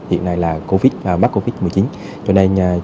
hiện nay là covid bắt covid một mươi chín